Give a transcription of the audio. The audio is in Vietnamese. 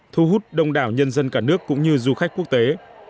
thu hút đông đảo nhân dân cả nước cũng như du khách quốc tế